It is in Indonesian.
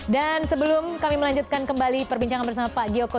dan sebelum kami melanjutkan kembali perbincangan bersama pak gioko